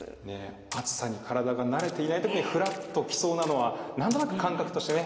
暑さに体が慣れていない時にフラッときそうなのは何となく感覚としてね分かりますよね。